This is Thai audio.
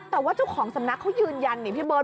แต่ว่าเจ้าของสำนักเขายืนยันนี่พี่เบิร์